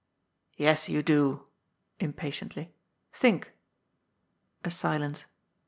« Yes, you do "—impatiently. « Think." A silence.